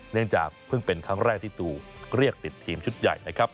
เนื่องจากเพิ่งเป็นครั้งแรกที่ตูเรียกติดทีมชุดใหญ่นะครับ